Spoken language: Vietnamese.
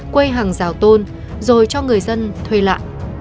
quây hàng rào tôn rồi cho người dân thuê lại